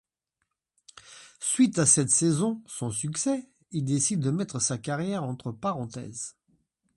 Suite à cette saison sans succès, il décide de mettre sa carrière entre parenthèses.